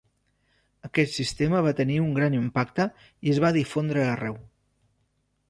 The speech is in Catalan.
Aquest sistema va tenir un gran impacte i es va difondre arreu.